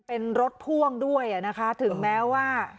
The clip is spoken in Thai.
เป็นรถพ่วงด้วยนะคะถึงแม้ว่า